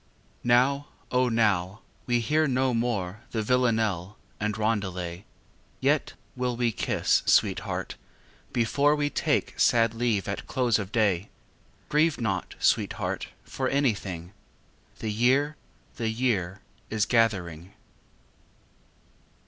Now, O now, we hear no more The vilanelle and roundelay! Yet will we kiss, sweetheart, before We take sad leave at close of day. Grieve not, sweetheart, for anythingâ The year, the year is gathering.